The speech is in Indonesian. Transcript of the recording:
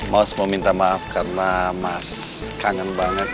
mas mau minta maaf karena mas kangen banget